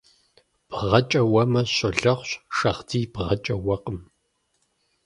БгъэкӀэ уэмэ, щолэхъущ, шагъдийр бгъэкӀэ уэкъым.